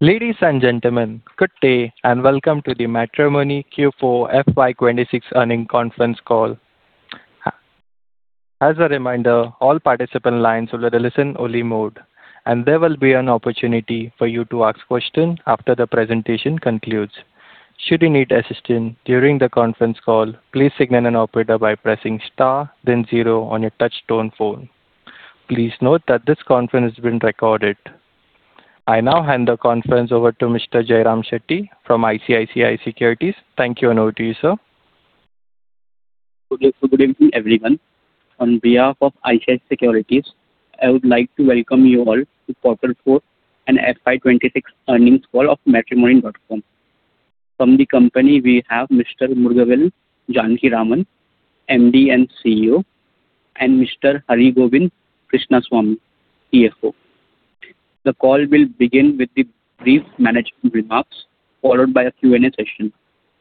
Ladies and gentlemen, good day, and welcome to the Matrimony Q4 FY 2026 earnings conference call. As a reminder, all participant lines will be in listen-only mode, and there will be an opportunity for you to ask questions after the presentation concludes. Should you need assistance during the conference call, please signal an operator by pressing star then zero on your touchtone phone. Please note that this conference is being recorded. I now hand the conference over to Mr. Jayram Shetty from ICICI Securities. Thank you, and over to you, sir. Good evening, everyone. On behalf of ICICI Securities, I would like to welcome you all to quarter four` and FY 2026 earnings call of Matrimony.com. From the company, we have Mr. Murugavel Janakiraman, MD and CEO, and Mr. Harigovind Krishnasamy, CFO. The call will begin with the brief management remarks followed by a Q&A session.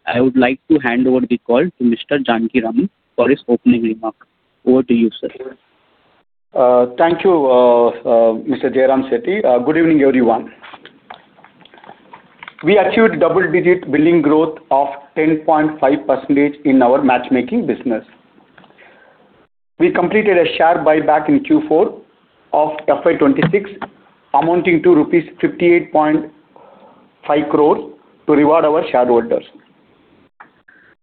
I would like to hand over the call to Mr. Janakiraman for his opening remarks. Over to you, sir. Thank you, Mr. Jayram Shetty. Good evening, everyone. We achieved double-digit billing growth of 10.5% in our matchmaking business. We completed a share buyback in Q4 of FY 2026 amounting to rupees 58.5 crores to reward our shareholders.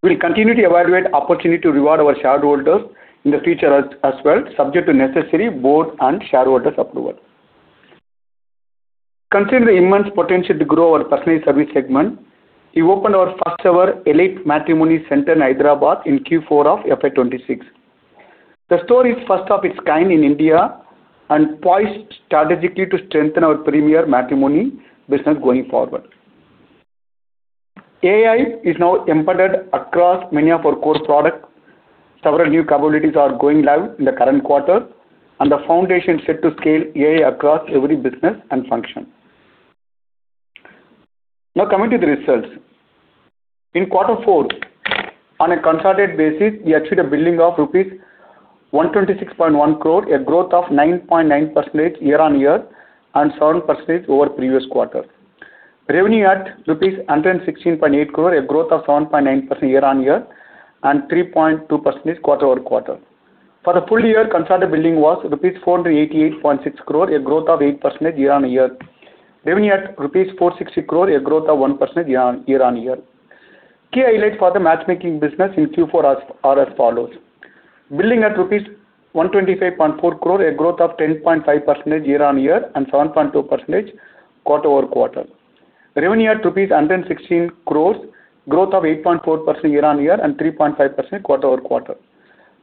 We'll continue to evaluate opportunity to reward our shareholders in the future as well, subject to necessary board and shareholders approval. Considering the immense potential to grow our personal service segment, we opened our first ever Elite Matrimony center in Hyderabad in Q4 of FY 2026. The store is first of its kind in India and poised strategically to strengthen our premier matrimony business going forward. AI is now embedded across many of our core products. Several new capabilities are going live in the current quarter and the foundation set to scale AI across every business and function. Coming to the results. In quarter four, on a consolidated basis, we achieved a billing of rupees 126.1 crore, a growth of 9.9% year-on-year and 7% over previous quarter. Revenue at rupees 116.8 crore, a growth of 7.9% year-on-year and 3.2% quarter-over-quarter. For the full year, consolidated billing was rupees 488.6 crore, a growth of 8% year-on-year. Revenue at rupees 460 crore, a growth of 1% year-on-year. Key highlights for the matchmaking business in Q4 are as follows. Billing at rupees 125.4 crore, a growth of 10.5% year-on-year and 7.2% quarter-over-quarter. Revenue at rupees 116 crore, growth of 8.4% year-on-year and 3.5% quarter-over-quarter.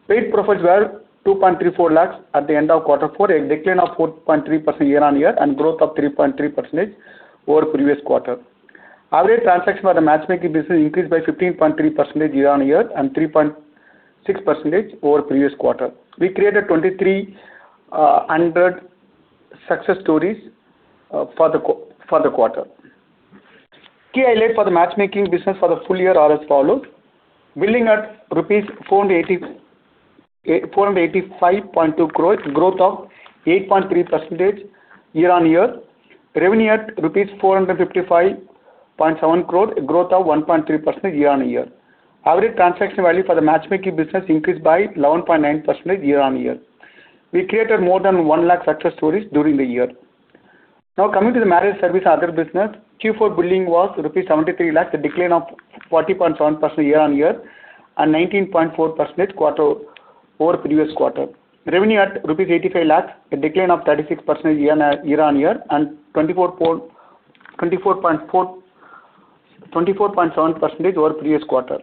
Paid profiles were 2.34 lakh at the end of quarter four, a decline of 4.3% year-on-year and growth of 3.3% over previous quarter. Average transaction for the matchmaking business increased by 15.3% year-on-year and 3.6% over previous quarter. We created 2,300 success stories for the quarter. Key highlight for the matchmaking business for the full year are as follows. Billing at rupees 485.2 crore, growth of 8.3% year-on-year. Revenue at rupees 455.7 crore, a growth of 1.3% year-on-year. Average transaction value for the matchmaking business increased by 11.9% year-on-year. We created more than 1 lakh success stories during the year. Coming to the marriage service and other business. Q4 billing was rupees 73 lakhs, a decline of 40.7% year-on-year and 19.4% over previous quarter. Revenue at 85 lakhs rupees, a decline of 36% year-on-year and 24.7% over previous quarter.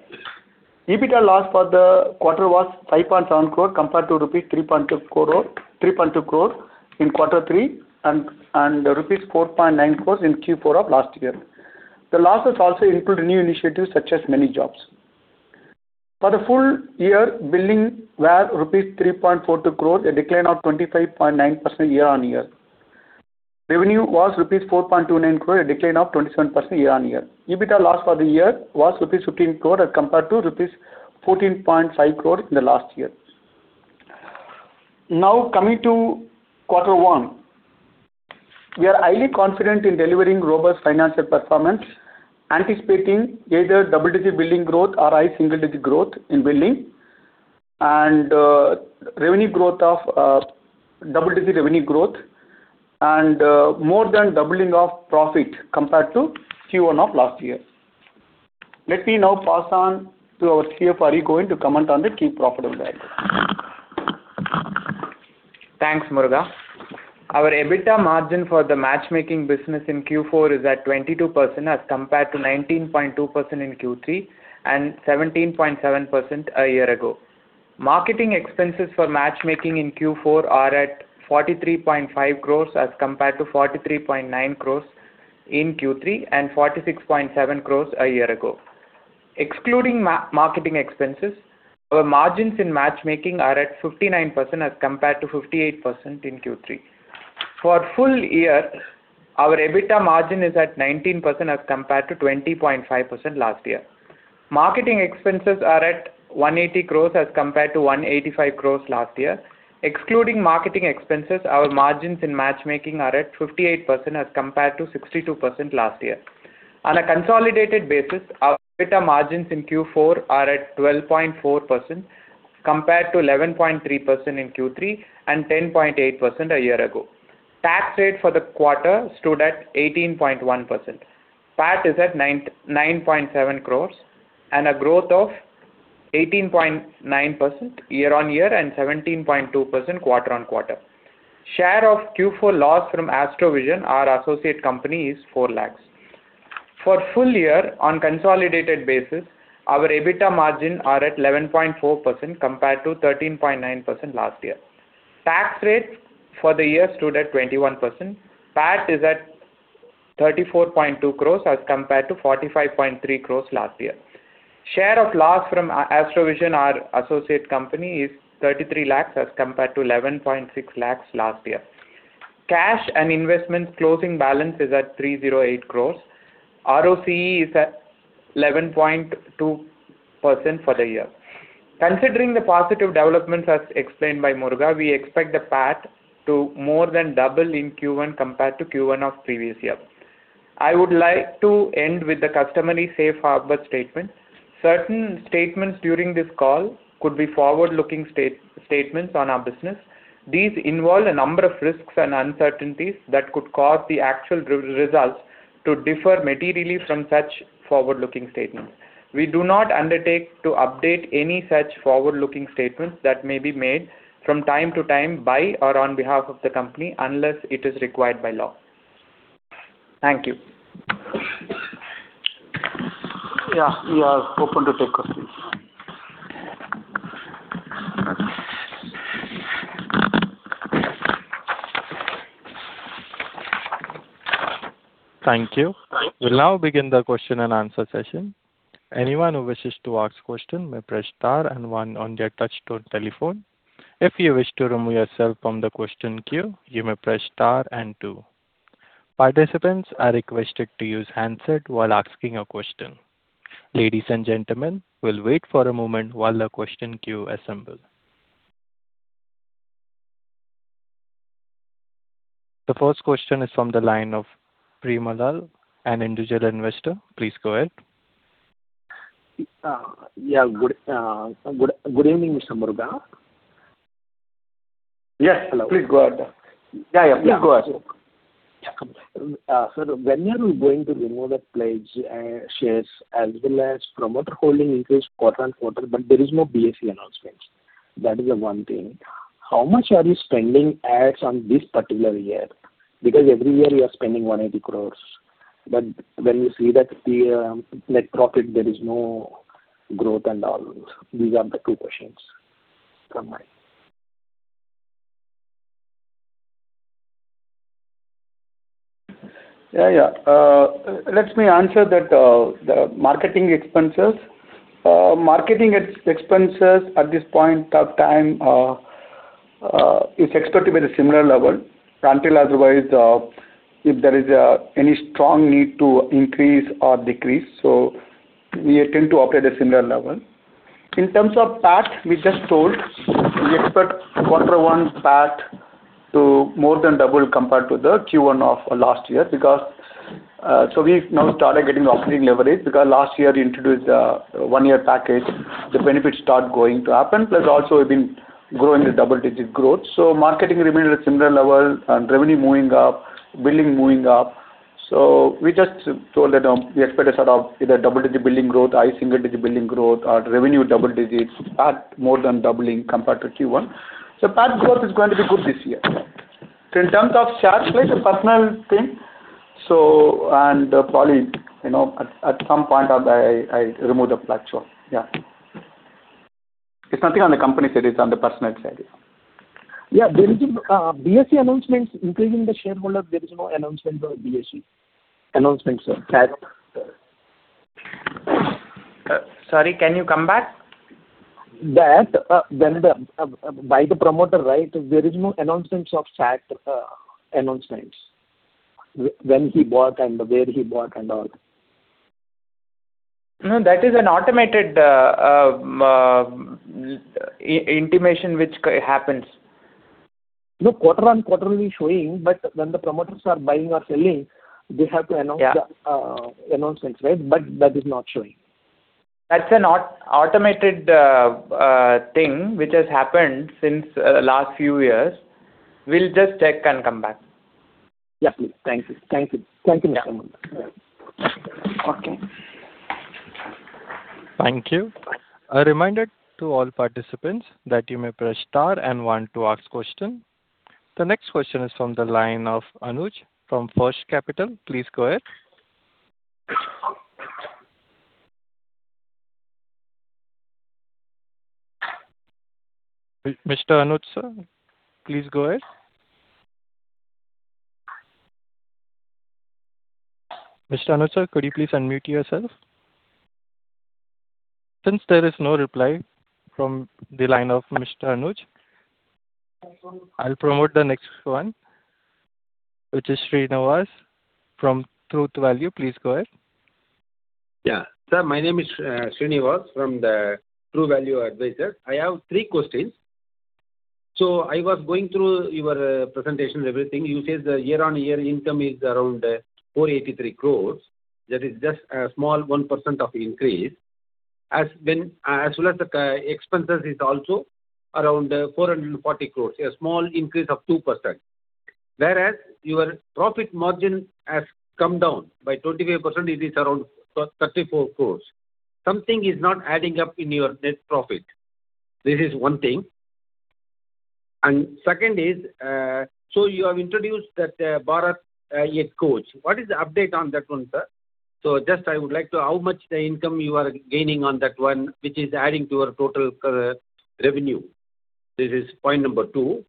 EBITDA loss for the quarter was 5.7 crore compared to 3.2 crore in quarter three and rupees 4.9 crores in Q4 of last year. The losses also include new initiatives such as ManyJobs. For the full year, billing were rupees 3.42 crore, a decline of 25.9% year-on-year. Revenue was rupees 4.29 crore, a decline of 27% year-on-year. EBITDA loss for the year was rupees 15 crore as compared to rupees 14.5 crore in the last year. Coming to quarter one. We are highly confident in delivering robust financial performance, anticipating either double-digit billing growth or high single-digit growth in billing and revenue growth of double-digit revenue growth and more than doubling of profit compared to Q1 of last year. Let me now pass on to our CFO. Are you going to comment on the key profitable drivers? Thanks, Murugavel. Our EBITDA margin for the matchmaking business in Q4 is at 22% as compared to 19.2% in Q3 and 17.7% a year ago. Marketing expenses for matchmaking in Q4 are at 43.5 crores as compared to 43.9 crores in Q3 and 46.7 crores a year ago. Excluding marketing expenses, our margins in matchmaking are at 59% as compared to 58% in Q3. For full year, our EBITDA margin is at 19% as compared to 20.5% last year. Marketing expenses are at 180 crores as compared to 185 crores last year. Excluding marketing expenses, our margins in matchmaking are at 58% as compared to 62% last year. On a consolidated basis, our EBITDA margins in Q4 are at 12.4% compared to 11.3% in Q3 and 10.8% a year ago. Tax rate for the quarter stood at 18.1%. PAT is at 9.7 crores and a growth of 18.9% year-on-year and 17.2% quarter on quarter. Share of Q4 loss from Astro-Vision, our associate company, is 4 lakhs. For full year on consolidated basis, our EBITDA margin are at 11.4% compared to 13.9% last year. Tax rate for the year stood at 21%. PAT is at 34.2 crores as compared to 45.3 crores last year. Share of loss from Astro-Vision, our associate company, is 33 lakhs as compared to 11.6 lakhs last year. Cash and investments closing balance is at 308 crores. ROCE is at 11.2% for the year. Considering the positive developments as explained by Murugavel, we expect the PAT to more than double in Q1 compared to Q1 of previous year. I would like to end with the customary safe harbor statement. Certain statements during this call could be forward-looking statements on our business. These involve a number of risks and uncertainties that could cause the actual results to differ materially from such forward-looking statements. We do not undertake to update any such forward-looking statements that may be made from time to time by or on behalf of the company unless it is required by law. Thank you. Yeah, we are open to take questions. Thank you. We'll now begin the question and answer session. Anyone who wishes to ask question may press star and one on their touchtone telephone. If you wish to remove yourself from the question queue, you may press star and two. Participants are requested to use handset while asking a question. Ladies and gentlemen, we'll wait for a moment while the question queue assembles. The first question is from the line of Pri Malal, an individual investor. Please go ahead. Good evening, Mr. Murugavel. Yes. Hello. Please go ahead. Yeah, yeah. Yeah. Please go ahead. Sir, when are you going to remove the pledge shares as well as promoter holding increase quarter-on-quarter, but there is no BSE announcements? That is the one thing. How much are you spending ads on this particular year? Because every year you are spending 180 crores. But when you see that the net profit, there is no growth. These are the two questions from my end. Yeah, yeah. Let me answer that, the marketing expenses. Marketing expenses at this point of time is expected at a similar level until otherwise, if there is any strong need to increase or decrease. We intend to operate a similar level. In terms of PAT, we just told we expect Q1 PAT to more than double compared to the Q1 of last year because we've now started getting operating leverage because last year we introduced a one-year package. The benefits start going to happen. Plus also we've been growing at double-digit growth. Marketing remain at a similar level and revenue moving up, billing moving up. We just told that, we expect a sort of either double-digit billing growth or a single-digit billing growth or revenue double digits, PAT more than doubling compared to Q1. PAT growth is going to be good this year. In terms of share price, a personal thing, probably, you know, at some point of that I remove the pledge. Yeah. It's nothing on the company side. It's on the personal side. Yeah. There is no BSE announcements including the shareholder. There is no announcement or BSE announcements PAT. Sorry, can you come back? By the promoter, there is no announcements of PAT. When he bought and where he bought? No, that is an automated intimation which happens. No, quarter-on-quarter we'll be showing, but when the promoters are buying or selling, they have to announce. Yeah. Announcements, right? That is not showing. That's an automated thing which has happened since last few years. We'll just check and come back. Yeah, please. Thank you. Thank you. Thank you so much. Yeah. Okay. Thank you. A reminder to all participants that you may press star and one to ask question. The next question is from the line of Anuj from First Capital. Please go ahead. Mr. Anuj, sir, please go ahead. Mr. Anuj sir, could you please unmute yourself? Since there is no reply from the line of Mr. Anuj. I'll promote the next one, which is Srinivas from True Value. Please go ahead. Yeah. Sir, my name is Srinivas from the True Value Advisors. I have three questions. I was going through your presentation, everything. You said the year-on-year income is around 483 crores. That is just a small 1% of increase. As well as the expenses is also around 440 crores, a small increase of 2%. Whereas your profit margin has come down by 25%. It is around 34 crores. Something is not adding up in your net profit. This is one thing. Second is, you have introduced that Bharat A Coach. What is the update on that one, sir? Just I would like to How much the income you are gaining on that one, which is adding to your total revenue? This is point number two.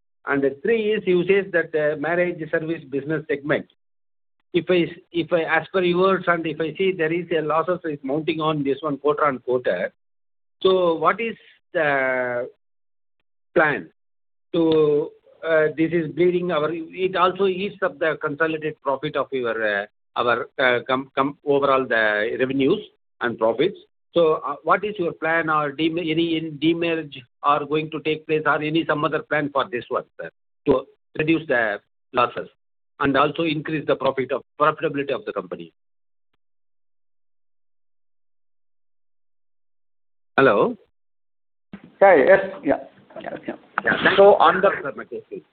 Three is you said that, marriage service business segment. If I, as per yours and if I see there is a losses is mounting on this one quarter on quarter. What is the plan? This is bleeding our It also eats up the consolidated profit of your, our, overall the revenues and profits. What is your plan or any demerge are going to take place or any some other plan for this one, sir, to reduce the losses and also increase the profitability of the company? Hello? Sir, yes. Yeah. Yeah, yeah. So on the- Sir, mic test please.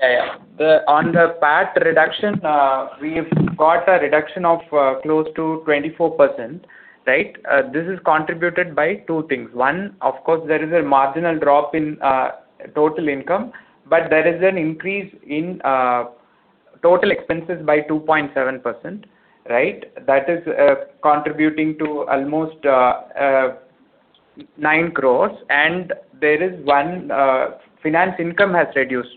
Yeah, yeah. On the PAT reduction, we've got a reduction of close to 24%, right? This is contributed by two things. One, of course, there is a marginal drop in total income. There is an increase in total expenses by 2.7%, right? That is contributing to almost 9 crore. There is one, finance income has reduced.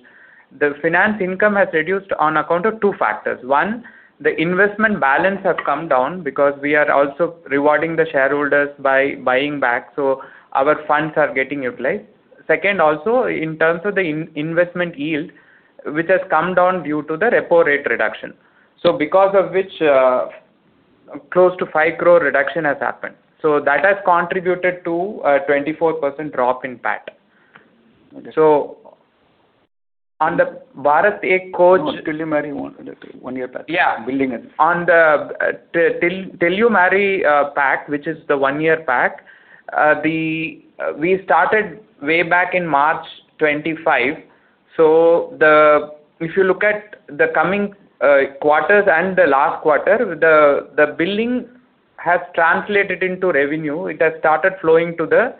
The finance income has reduced on account of two factors. One, the investment balance has come down because we are also rewarding the shareholders by buying back, our funds are getting utilized. Second, also, in terms of the investment yield, which has come down due to the repo rate reduction. Because of which, close to 5 crore reduction has happened. That has contributed to a 24% drop in PAT. So on the Bharat A Coach- No, Till You Marry one year pack. Yeah. Billing it. On the Till You Marry pack, which is the one-year pack, we started way back in March 2025. If you look at the coming quarters and the last quarter, the billing has translated into revenue. It has started flowing to the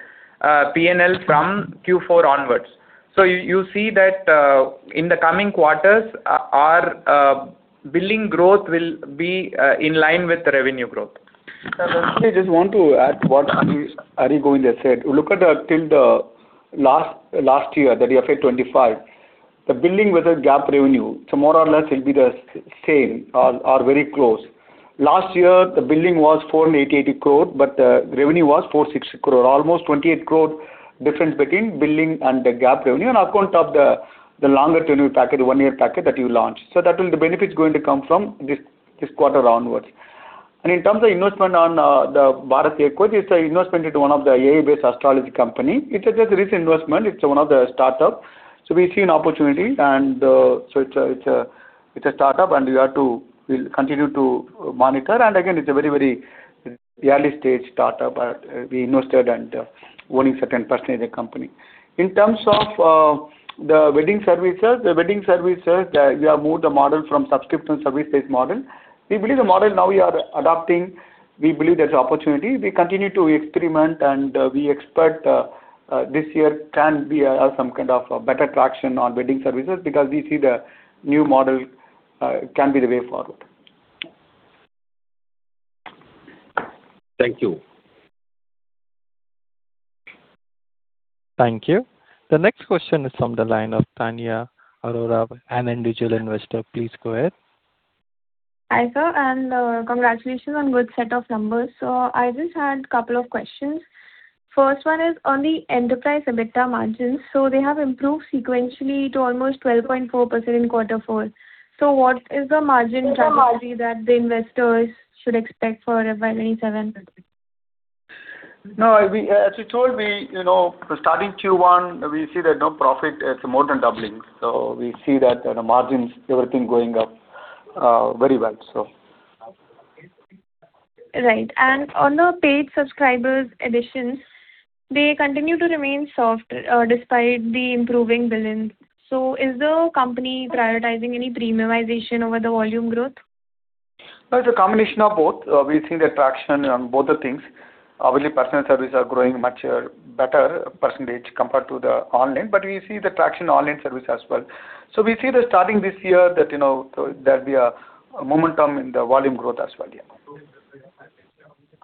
P&L from Q4 onwards. You see that in the coming quarters, our billing growth will be in line with revenue growth. Sir, actually I just want to add to what Harigovind said. Look at till the last year, the FY 2025, the billing with the GAAP revenue, more or less it'll be the same or very close. Last year, the billing was 480 crore, but the revenue was 406 crore. Almost 28 crore difference between billing and the GAAP revenue on account of the longer tenure package, the one-year package that you launched. The benefit is going to come from this quarter onwards. In terms of investment on Bharat A Coach, it's an investment into one of the AI-based astrology company. It's just a recent investment. It's one of the startup. We've seen opportunity, it's a startup and we'll continue to monitor. Again, it's a very, very early stage startup, we invested and owning certain percentage of the company. In terms of the wedding services, we have moved the model from subscription service-based model. We believe the model now we are adopting, we believe there's opportunity. We continue to experiment, we expect this year can be some kind of better traction on wedding services because we see the new model can be the way forward. Thank you. Thank you. The next question is from the line of Tanya Arora, an individual investor. Please go ahead. Hi, sir, and congratulations on good set of numbers. I just had couple of questions. First one is on the enterprise EBITDA margins. They have improved sequentially to almost 12.4% in quarter four. What is the margin trajectory that the investors should expect for FY 2027 budget? As we told, we, you know, starting Q1, we see that net profit is more than doubling. We see that the margins, everything going up, very well. Right. On the paid subscribers additions, they continue to remain soft despite the improving billings. Is the company prioritizing any premiumization over the volume growth? No, it's a combination of both. We've seen the traction on both the things. Obviously, personal services are growing much better percentage compared to the online, but we see the traction online service as well. We see that starting this year that, you know, there'll be a momentum in the volume growth as well.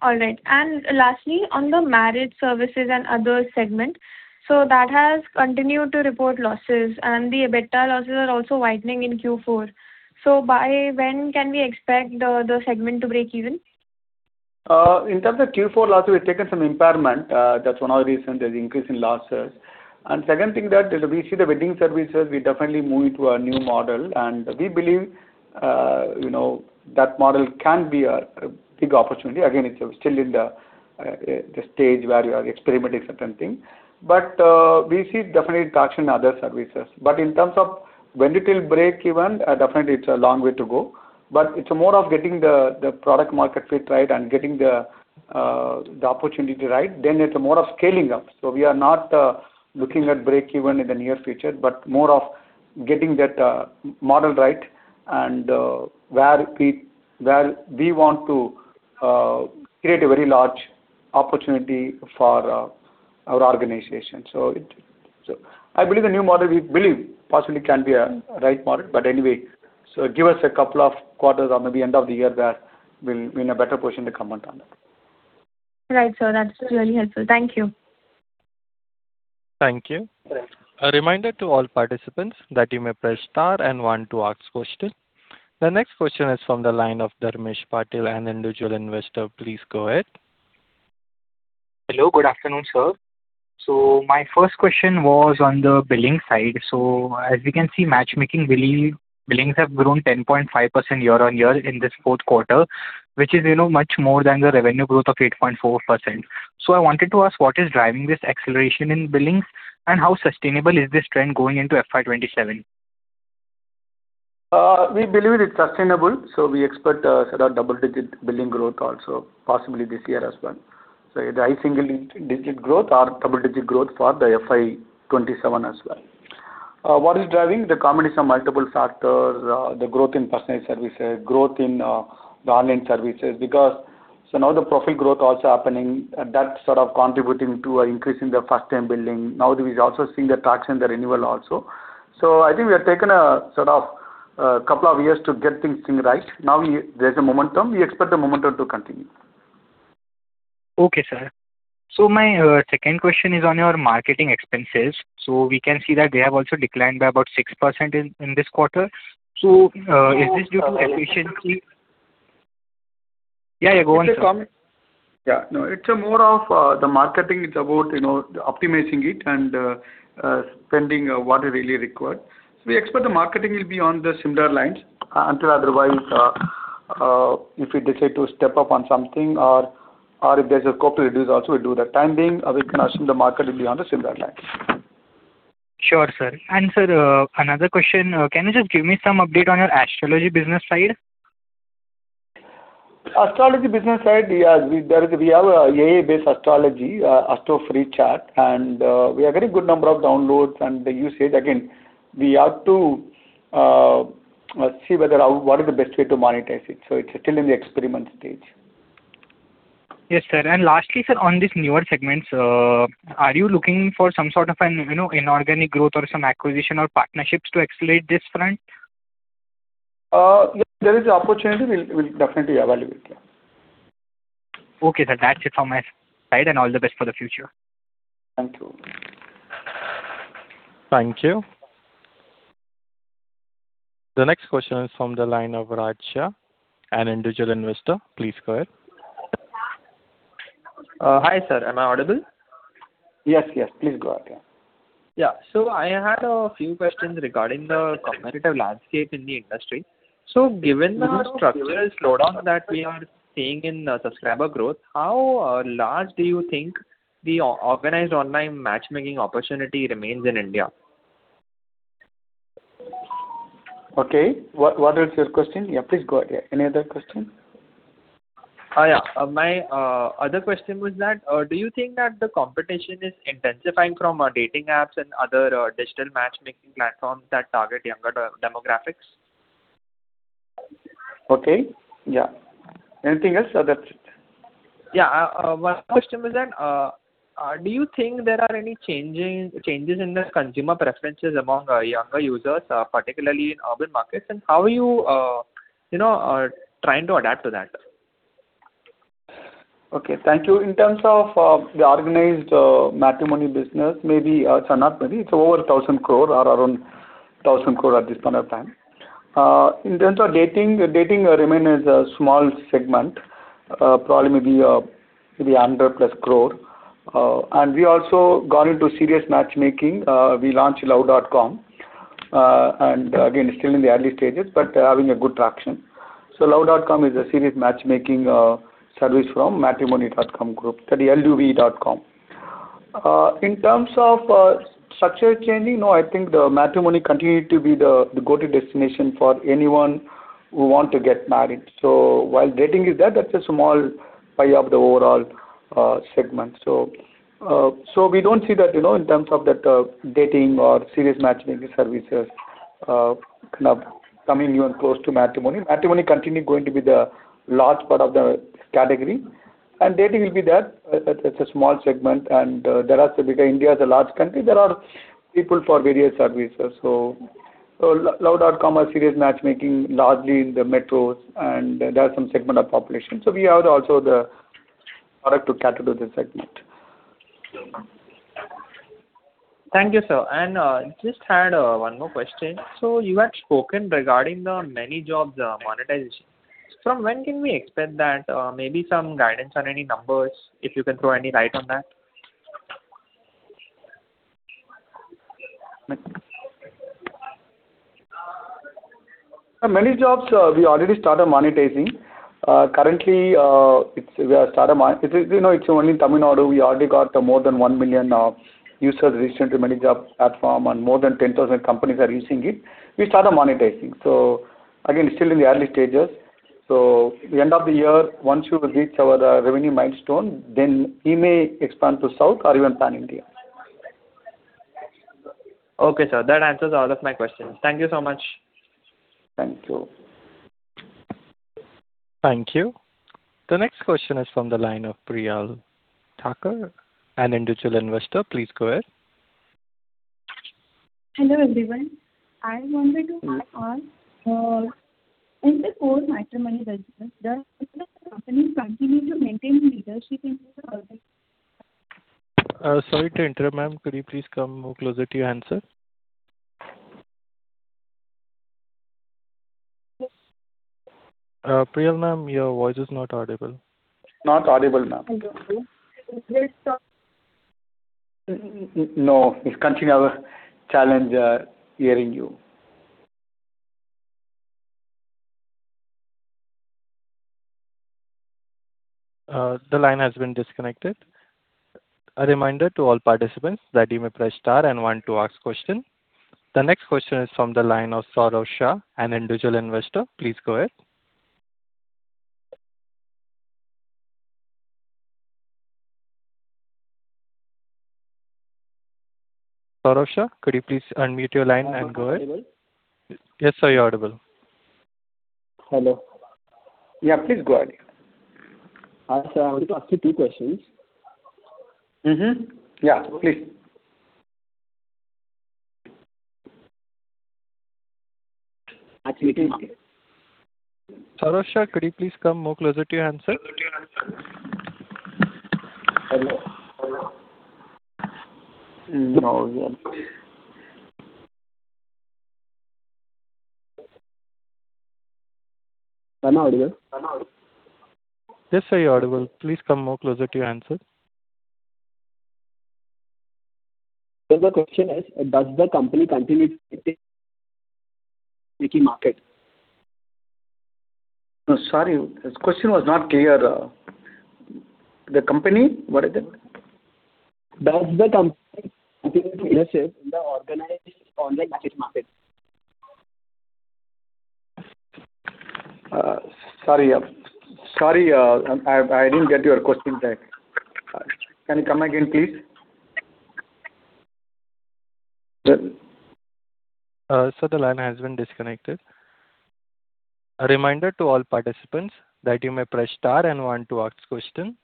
All right. Lastly, on the marriage services and other segment, that has continued to report losses. The EBITDA losses are also widening in Q4. By when can we expect the segment to break even? In terms of Q4 last year, we've taken some impairment. That's one of the reason there's increase in losses. Second thing that as we see the wedding services, we're definitely moving to a new model. We believe, you know, that model can be a big opportunity. Again, it's still in the stage where we are experimenting certain thing. We see definitely traction in other services. In terms of when it will break even, definitely it's a long way to go. It's more of getting the product market fit right and getting the opportunity right, then it's more of scaling up. We are not looking at break even in the near future, but more of getting that model right and where we want to create a very large opportunity for our organization. I believe the new model we believe possibly can be a right model. Anyway, give us a couple of quarters or maybe end of the year where we'll be in a better position to comment on that. Right, sir. That's really helpful. Thank you. Thank you. A reminder to all participants that you may press star and one to ask question. The next question is from the line of Dharmesh Patel, an individual investor. Please go ahead. Hello. Good afternoon, sir. My first question was on the billing side. As we can see, matchmaking billings have grown 10.5% year-on-year in this fourth quarter, which is, you know, much more than the revenue growth of 8.4%. I wanted to ask, what is driving this acceleration in billings, and how sustainable is this trend going into FY 2027? We believe it's sustainable, we expect a sort of double-digit billing growth also, possibly this year as well. Either high single digit growth or double-digit growth for the FY 2027 as well. What is driving? The combination of multiple factors, the growth in personalized services, growth in the online services. Now the profile growth also happening. That's sort of contributing to an increase in the first-time billing. We're also seeing the traction, the renewal also. I think we have taken a sort of couple of years to get things right. There's a momentum. We expect the momentum to continue. Okay, sir. My second question is on your marketing expenses. We can see that they have also declined by about 6% in this quarter. Is this due to efficiency? Yeah, go on, sir. Yeah, no, it's more of the marketing. It's about, you know, optimizing it and spending what is really required. We expect the marketing will be on the similar lines until otherwise, if we decide to step up on something or if there's a scope to reduce also, we'll do that. For the time being, we can assume the market will be on the similar lines. Sure, sir. Sir, another question. Can you just give me some update on your astrology business side? Astrology business side, yeah. We have a AI-based astrology, AstroFreeChat, and we have very good number of downloads and the usage. Again, we have to see whether what is the best way to monetize it. It's still in the experiment stage. Yes, sir. Lastly, sir, on this newer segments, are you looking for some sort of an, you know, inorganic growth or some acquisition or partnerships to accelerate this front? if there is opportunity, we'll definitely evaluate, yeah. Okay, sir. That's it from my side. All the best for the future. Thank you. Thank you. The next question is from the line of Raj Shah, an individual investor. Please go ahead. Hi, sir. Am I audible? Yes. Yes. Please go ahead. Yeah. Yeah. I had a few questions regarding the competitive landscape in the industry. Given the structural slowdown that we are seeing in subscriber growth, how large do you think the organized online matchmaking opportunity remains in India? Okay. What is your question? Yeah, please go ahead. Yeah. Any other question? Yeah. My other question was that, do you think that the competition is intensifying from dating apps and other digital matchmaking platforms that target younger demographics? Okay. Yeah. Anything else or that's it? Yeah. One question was that, do you think there are any changes in the consumer preferences among younger users, particularly in urban markets? How are you know, trying to adapt to that? Okay. Thank you. In terms of the organized matrimony business, maybe it's over 1,000 crore or around 1,000 crore at this point of time. In terms of dating remain as a small segment, probably maybe under 100+ crore. We also gone into serious matchmaking. We launched Luv.com. Again, still in the early stages, but having a good traction. luv.com is a serious matchmaking service from matrimony.com group, sorry, luv.com. In terms of structure changing, no, I think the matrimony continue to be the go-to destination for anyone who want to get married. While dating is there, that's a small pie of the overall segment. We don't see that, you know, in terms of that, dating or serious matchmaking services, kind of coming even close to matrimony. Matrimony continue going to be the large part of the category, and dating will be there. It's a small segment. Because India is a large country, there are people for various services. Luv.com are serious matchmaking largely in the metros, and that's some segment of population. We have also the product to cater to this segment. Thank you, sir. Just had one more question. You had spoken regarding the ManyJobs monetization. From when can we expect that? Maybe some guidance on any numbers, if you can throw any light on that. ManyJobs, we already started monetizing. It's only in Tamil Nadu. We already got more than 1 million users recently ManyJobs platform and more than 10,000 companies are using it. We started monetizing. Again, still in the early stages. The end of the year, once we reach our revenue milestone, then we may expand to South or even Pan-India. Okay, sir. That answers all of my questions. Thank you so much. Thank you. Thank you. The next question is from the line of Priyal Thakur, an individual investor. Please go ahead. Hello, everyone. I wanted to ask, in the core Matrimony business, does the company continue to maintain leadership in the- Sorry to interrupt, ma'am. Could you please come more closer to your handset? Priyal, ma'am, your voice is not audible. Not audible, ma'am. Hello. No. It's continuing our challenge, hearing you. The line has been disconnected. A reminder to all participants that you may press star and one to ask question. The next question is from the line of Saurabh Shah, an individual investor. Please go ahead. Saurabh Shah, could you please unmute your line and go ahead? Am I audible? Yes, sir, you're audible. Hello. Yeah, please go ahead. Hi, sir. I wanted to ask you two questions. Yeah, please. Saurabh Shah, could you please come more closer to your handset? Hello. Am I audible? Yes, sir, you're audible. Please come more closer to your handset. Sir, the question is, does the company continue to maintain making market? No, sorry. This question was not clear. The company, what is it? Does the company continue to lead- Yes, sir. in the organized online package market? Sorry. Sorry, I didn't get your question right. Can you come again, please? sir, the line has been disconnected. A reminder to all participants that you may press star and one to ask question.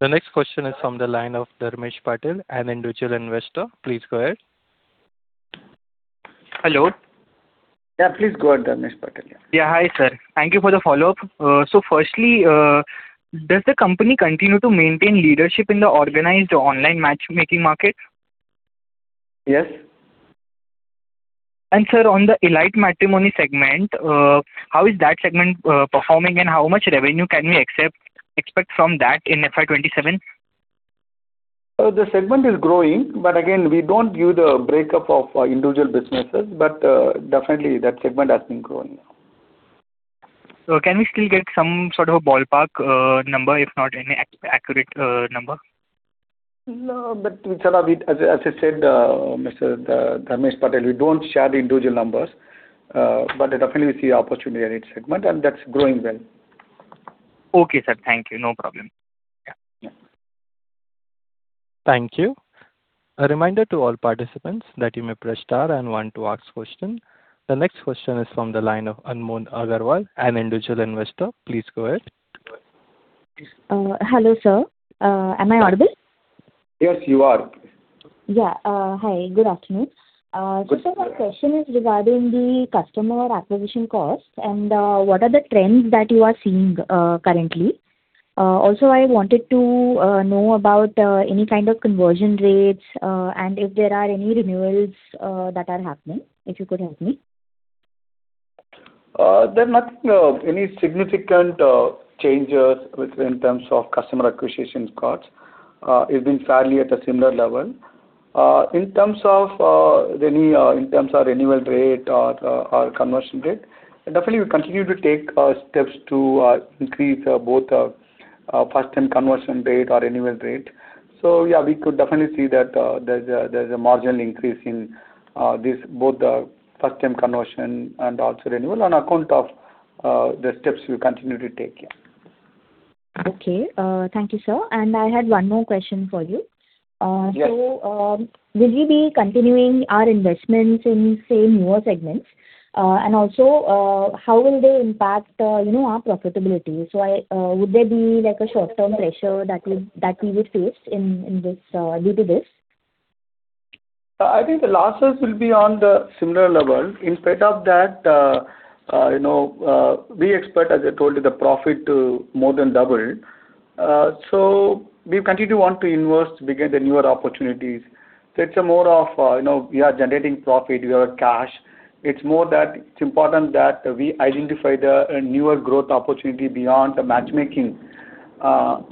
The next question is from the line of Dharmesh Patel, an individual investor. Please go ahead. Hello. Yeah, please go ahead, Dharmesh Patel. Yeah. Hi, sir. Thank you for the follow-up. firstly, does the company continue to maintain leadership in the organized online matchmaking market? Yes. Sir, on the Elite Matrimony segment, how is that segment performing and how much revenue can we expect from that in FY 2027? The segment is growing, but again, we don't give the breakup of individual businesses. Definitely that segment has been growing. Can we still get some sort of a ballpark number, if not any accurate number? Sir, as I said, Mr. Dharmesh Patel, we don't share the individual numbers. Definitely we see opportunity in each segment, and that's growing well. Okay, sir. Thank you. No problem. Yeah. Yeah. Thank you. A reminder to all participants that you may press star and one to ask question. The next question is from the line of Anmol Agarwal, an individual investor. Please go ahead. Hello, sir. Am I audible? Yes, you are. Yeah. Hi, good afternoon. Good afternoon. Sir my question is regarding the customer acquisition costs and what are the trends that you are seeing currently? Also I wanted to know about any kind of conversion rates and if there are any renewals that are happening, if you could help me. There's nothing, any significant, changes in terms of customer acquisition costs. It's been fairly at a similar level. In terms of, any, in terms of renewal rate or conversion rate, definitely we continue to take steps to increase both, first-time conversion rate or renewal rate. Yeah, we could definitely see that, there's a marginal increase in this, both the first-time conversion and also renewal on account of the steps we continue to take. Okay. Thank you, sir. I had one more question for you. Yes. Will you be continuing our investments in, say, newer segments? How will they impact, you know, our profitability? Would there be like a short-term pressure that we would face in this, due to this? I think the losses will be on the similar level. In spite of that, you know, we expect, as I told you, the profit to more than double. We continue want to invest to begin the newer opportunities. It's a more of, you know, we are generating profit, we have cash. It's more that it's important that we identify the newer growth opportunity beyond the matchmaking, so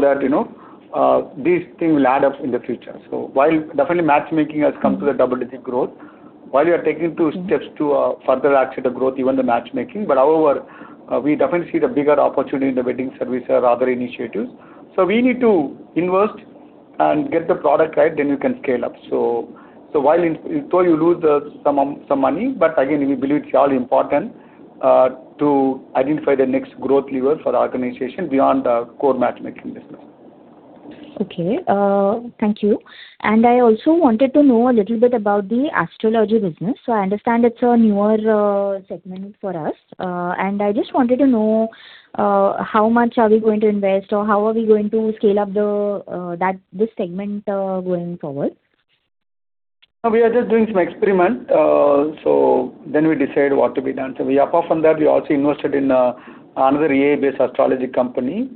that, you know, these things will add up in the future. While definitely matchmaking has come to the double-digit growth, while we are taking two steps to further accelerate the growth, even the matchmaking. However, we definitely see the bigger opportunity in the wedding service or other initiatives. We need to invest and get the product right, then you can scale up. While though you lose some money, again, we believe it's all important to identify the next growth lever for the organization beyond the core matchmaking business. Okay. Thank you. I also wanted to know a little bit about the astrology business. I understand it's a newer segment for us. I just wanted to know how much are we going to invest or how are we going to scale up this segment going forward? We are just doing some experiment, we decide what to be done. Apart from that, we also invested in another AI-based astrology company.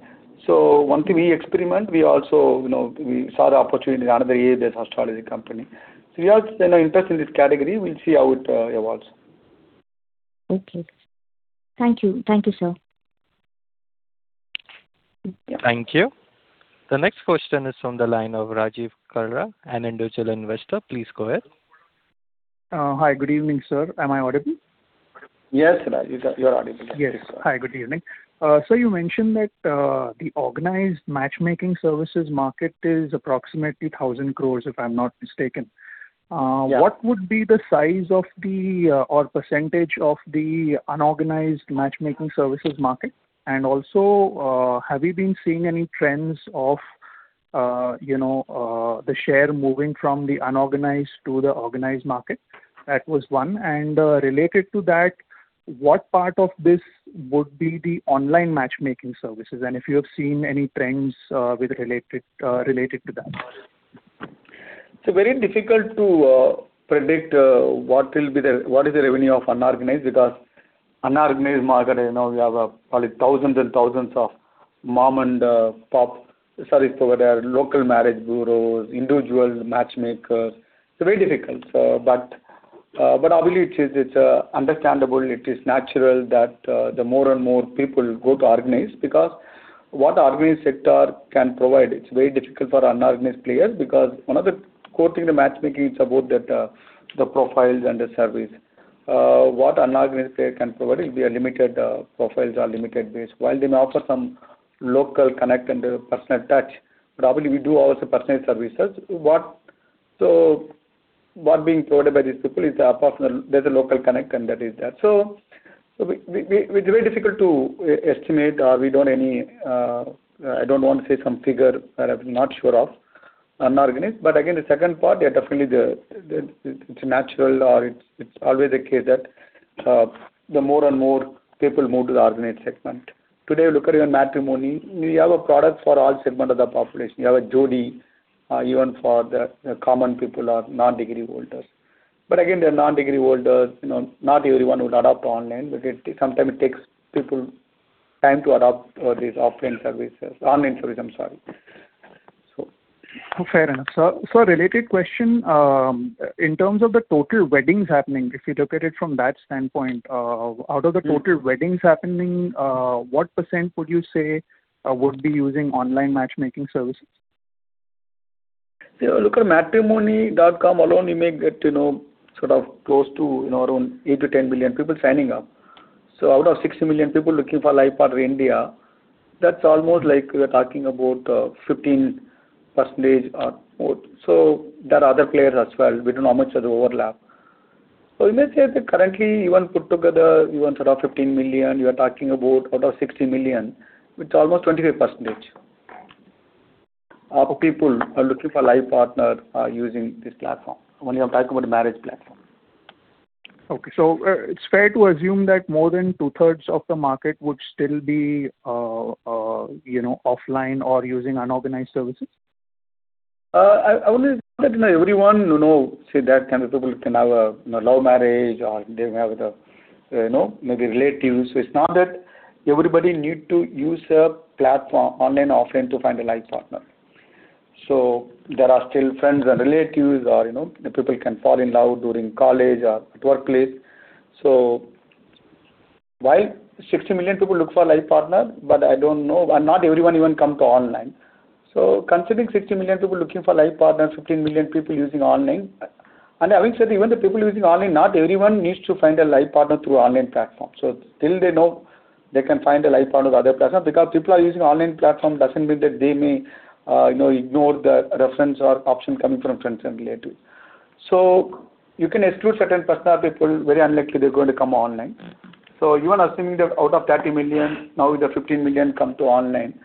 Once we experiment, we also, you know, we saw the opportunity in another AI-based astrology company. We also, you know, interest in this category. We'll see how it evolves. Okay. Thank you. Thank you, sir. Thank you. The next question is from the line of Rajiv Karra, an individual investor. Please go ahead. Hi. Good evening, sir. Am I audible? Yes, Rajiv. You are audible. Yes. Hi, good evening. You mentioned that the organized matchmaking services market is approximately 1,000 crores, if I'm not mistaken. Yeah. What would be the size or percentage of the unorganized matchmaking services market? Also, have you been seeing any trends of, you know, the share moving from the unorganized to the organized market? That was one. Related to that, what part of this would be the online matchmaking services? If you have seen any trends, with related to that? It's very difficult to predict what is the revenue of unorganized, because unorganized market, you know, we have probably thousands and thousands of mom and pop service provider, local marriage bureaus, individual matchmakers. It's very difficult. But I believe it is, it's understandable, it is natural that the more and more people go to organized because what organized sector can provide, it's very difficult for unorganized players because one of the core thing in the matchmaking is about that the profiles and the service. What unorganized player can provide will be a limited profiles or limited base. While they may offer some local connect and personal touch, probably we do also personal services. So what being provided by these people is a personal. There's a local connect, and that is that. It's very difficult to estimate. I don't want to say some figure that I'm not sure of unorganized. Again, the second part, yeah, definitely it's natural or it's always the case that the more and more people move to the organized segment. Today, look at even Matrimony.com. We have a product for all segment of the population. We have a Jodii, even for the common people or non-degree holders. Again, they're non-degree holders, you know, not everyone would adopt online because sometime it takes people time to adopt these offline services. Online services, I'm sorry. Fair enough. A related question, in terms of the total weddings happening, if you look at it from that standpoint, out of the total weddings happening, what percent would you say would be using online matchmaking services? If you look at Matrimony.com alone, you may get to know sort of close to, you know, around 8 million-10 million people signing up. Out of 60 million people looking for life partner in India, that's almost like we're talking about 15% or more. There are other players as well. We don't know how much of the overlap. You may say that currently even put together even sort of 15 million, you are talking about out of 60 million, it's almost 25% of people are looking for life partner are using this platform. Only I'm talking about the marriage platform. It's fair to assume that more than two-thirds of the market would still be, you know, offline or using unorganized services? I would say that everyone say that kind of people can have a love marriage or they may have the maybe relatives. It's not that everybody need to use a platform online, offline to find a life partner. There are still friends and relatives or, you know, the people can fall in love during college or at workplace. While 60 million people look for life partner, but I don't know, and not everyone even come to online. Considering 60 million people looking for life partner, 15 million people using online. Having said, even the people using online, not everyone needs to find a life partner through online platform. Till they know they can find a life partner with other platform. Because people are using online platform doesn't mean that they may, you know, ignore the reference or option coming from friends and relatives. You can exclude certain percent of people, very unlikely they're going to come online. You are assuming that out of 30 million, now the 15 million come to online.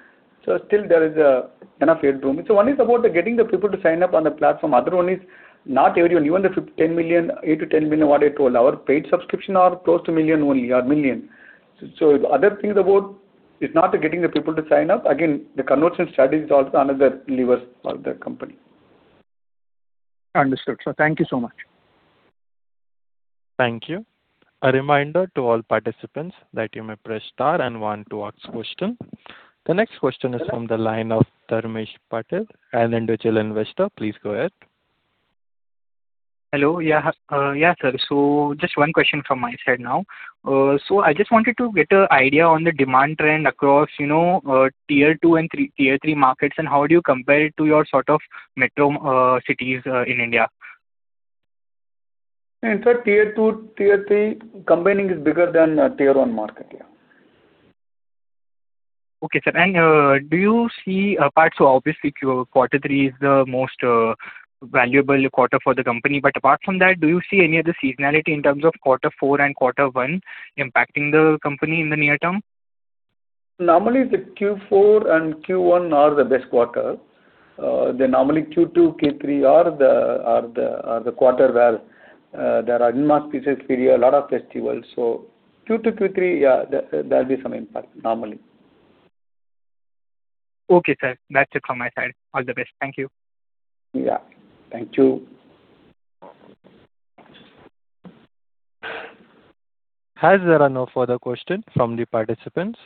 Still there is a kind of headroom. One is about getting the people to sign up on the platform. Other one is not everyone, even the 8 million-10 million what I told our paid subscription are close to million only or 1 million. Other thing is about it's not getting the people to sign up. The conversion strategy is also another lever for the company. Understood, sir. Thank you so much. Thank you. A reminder to all participants that you may press star and one to ask question. The next question is from the line of Dharmesh Patel, an individual investor. Please go ahead. Hello. Yeah. Yeah, sir. Just one question from my side now. I just wanted to get an idea on the demand trend across, you know, Tier 2 and Tier 3 markets, and how do you compare it to your sort of metro cities in India? In fact, Tier 2, Tier 3 combining is bigger than, Tier 1 market, yeah. Okay, sir. Obviously quarter three is the most valuable quarter for the company. Apart from that, do you see any other seasonality in terms of quarter four and quarter one impacting the company in the near term? Normally, the Q4 and Q1 are the best quarter. The normally Q2, Q3 are the quarter where there are in mass pieces period, a lot of festivals. Q2, Q3, there'll be some impact normally. Okay, sir. That's it from my side. All the best. Thank you. Yeah. Thank you. As there are no further question from the participants,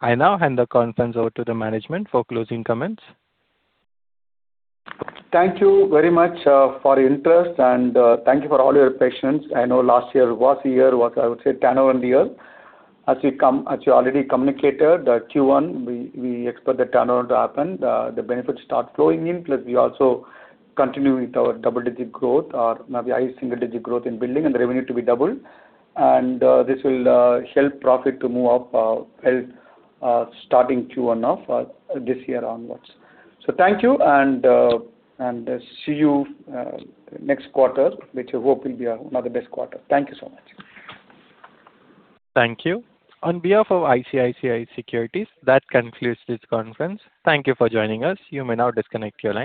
I now hand the conference over to the management for closing comments. Thank you very much for your interest, and thank you for all your patience. I know last year was a year, I would say, turnaround year. As we already communicated, Q1, we expect the turnaround to happen. The benefits start flowing in, plus we also continue with our double-digit growth or maybe high single-digit growth in building and the revenue to be double. This will help profit to move up well starting Q1 of this year onwards. Thank you, and see you next quarter, which I hope will be another best quarter. Thank you so much. Thank you. On behalf of ICICI Securities, that concludes this conference. Thank you for joining us. You may now disconnect your line.